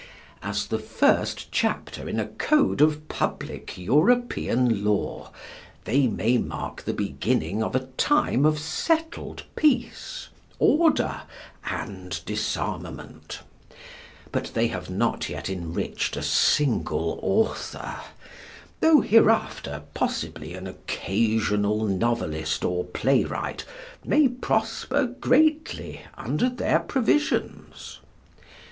As the first chapter in a Code of Public European Law, they may mark the beginning of a time of settled peace, order, and disarmament, but they have not yet enriched a single author, though hereafter possibly an occasional novelist or play wright may prosper greatly under their provisions.